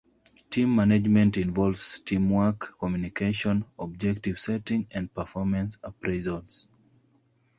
Team management involves teamwork, communication, objective setting and performance appraisals.